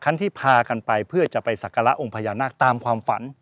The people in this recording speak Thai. ที่พากันไปเพื่อจะไปสักการะองค์พญานาคตามความฝัน